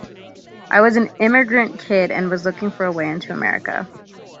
I was an immigrant kid and was looking for a way into America.